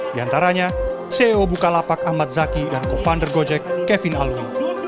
di antaranya ceo bukalapak ahmad zaki dan co founder gojek kevin alwi